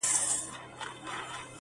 • لکه چي بیا یې تیاره په خوا ده -